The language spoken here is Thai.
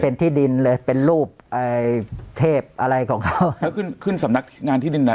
เป็นที่ดินเลยเป็นรูปไอ้เทพอะไรของเขาแล้วขึ้นขึ้นสำนักงานที่ดินอ่ะ